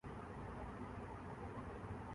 کیا دین دار لوگ ہیں۔